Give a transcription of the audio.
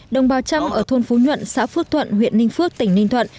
đồng bào trăm ở thôn phú nhuận xã phước thuận huyện ninh phước tỉnh ninh thuận